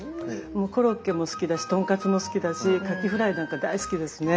もうコロッケも好きだし豚カツも好きだしカキフライなんか大好きですね。